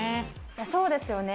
そうですよね。